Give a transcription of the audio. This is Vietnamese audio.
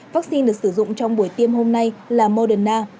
vaccine được sử dụng trong buổi tiêm hôm nay là moderna